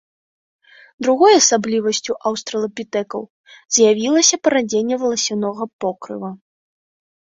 Другой асаблівасцю аўстралапітэкаў з'явілася парадзенне валасянога покрыва.